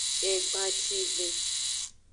Egbancive.